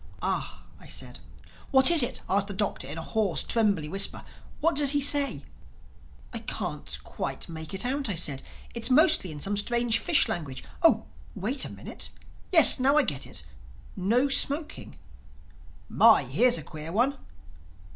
"Ah!" I said. "What is it?" asked the Doctor in a hoarse, trembly whisper. "What does he say?" "I can't quite make it out," I said. "It's mostly in some strange fish language—Oh, but wait a minute!—Yes, now I get it—'No smoking'.... 'My, here's a queer one!